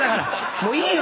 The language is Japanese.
もういいよ